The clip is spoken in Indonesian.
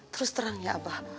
terus terang ya abah